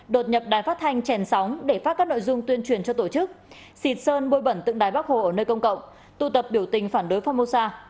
đột nhập đài phát thanh trèn sóng để phát các nội dung tuyên truyền cho tổ chức xịt sơn bôi bẩn tượng đài bắc hồ ở nơi công cộng tụ tập biểu tình phản đối formosa